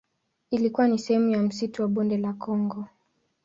Ilikuwa ni sehemu ya msitu wa Bonde la Kongo.